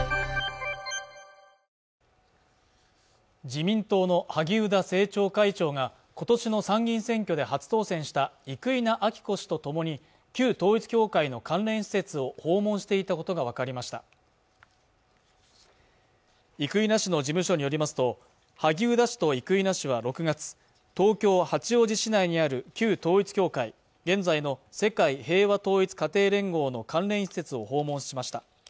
自民党の萩生田政調会長が今年の参議院選挙で初当選した生稲晃子氏と共に旧統一教会の関連施設を訪問していたことが分かりました生稲氏の事務所によりますと萩生田氏と生稲氏は６月東京八王子市内にある旧統一教会現在の世界平和統一家庭連合の関連施設を訪問しました